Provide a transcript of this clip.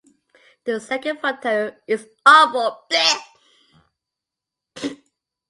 The second photo is awful.